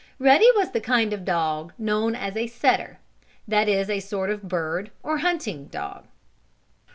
Ruddy was the kind of a dog known as a "setter"; that is a sort of bird, or hunting, dog.